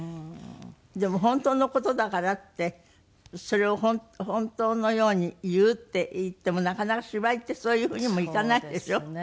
でも本当の事だからってそれを本当のように言うっていってもなかなか芝居ってそういうふうにもいかないでしょ。